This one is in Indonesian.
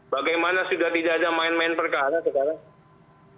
bagaimana sudah tidak ada main main perkara sekarang